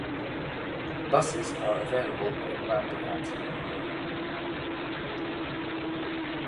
Buses are available in Rampurhat.